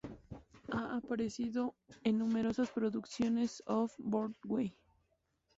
Ha aparecido en numerosas producciones Off-Broadway.